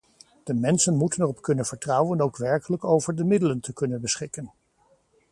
De mensen moeten erop kunnen vertrouwen ook werkelijk over de middelen te kunnen beschikken.